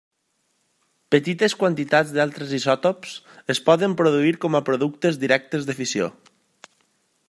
Petites quantitats dels altres isòtops es poden produir com a productes directes de fissió.